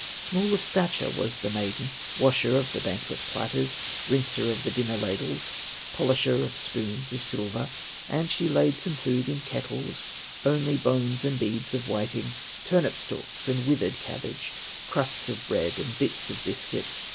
Small of stature was the maiden, Washer of the banquet platters, Rinser of the dinner ladles, Polisher of spoons of silver, And she laid some food in kettles, Only bones and heads of whiting, Turnip stalks and withered cabbage, Crusts of bread and bits of biscuit.